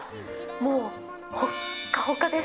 もう、ほっかほかです。